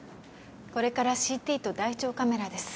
これからＣＴと大腸カメラです。